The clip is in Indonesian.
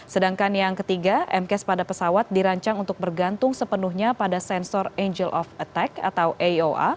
sedangkan yang ketiga mcas pada pesawat dirancang untuk bergantung sepenuhnya pada sensor angel of attack atau ao